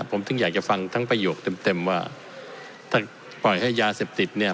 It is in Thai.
ผมถึงอยากจะฟังทั้งประโยคเต็มเต็มว่าถ้าปล่อยให้ยาเสพติดเนี่ย